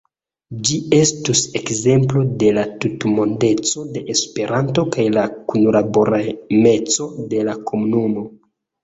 Ĝi estus ekzemplo de la tutmondeco de Esperanto kaj la kunlaboremeco de la komunumo.